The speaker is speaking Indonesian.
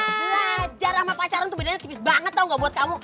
belajar sama pacaran tuh bedanya tipis banget tau gak buat kamu